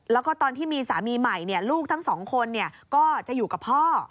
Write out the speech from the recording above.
แล้วก็ตอนที่มีสามีใหม่ลูกทั้งสองคนก็จะอยู่กับพ่อ